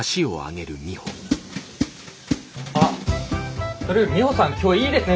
あっそれよりミホさん今日いいですね